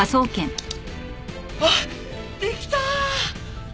あっできたー！